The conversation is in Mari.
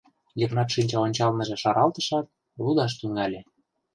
Йыгнат шинча ончыланже шаралтышат, лудаш тӱҥале: